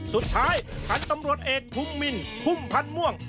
สุดท้ายพันธุ์ตำรวจเอกภูมิมินพุ่มพันธ์ม่วง